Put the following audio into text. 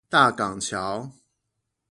大港橋